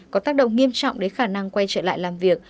có tác động nghiêm trọng đến khả năng quay trở lại làm việc